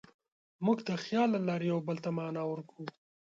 موږ د خیال له لارې یوه بل ته معنی ورکوو.